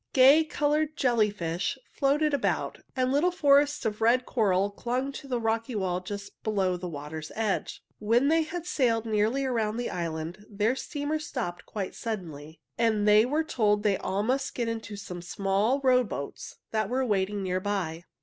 Gay colored jellyfish floated about, and little forests of red coral clung to the rocky wall just below the water's edge. When they had sailed nearly around the island, their steamer stopped quite suddenly, and they were told they must all get into some small rowboats that were waiting near by.